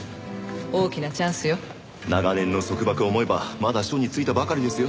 長年の束縛を思えばまだ緒に就いたばかりですよ。